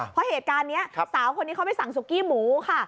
เพราะเหตุการณ์นี้สาวคนนี้เขาไปสั่งสุกี้หมูค่ะ